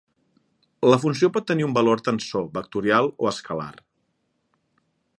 La funció pot tenir un valor tensor, vectorial o escalar.